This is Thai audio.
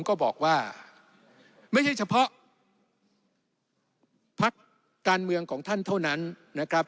ก็บอกว่าไม่ใช่เฉพาะพักการเมืองของท่านเท่านั้นนะครับ